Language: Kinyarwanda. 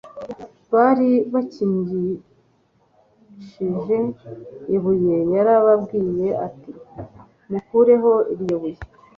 bari bakingishije ibuye Yarababwiye ati mukureho iryo buye